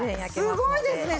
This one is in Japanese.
すごいですね。